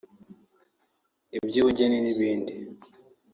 iby’ubugeni n’ibindi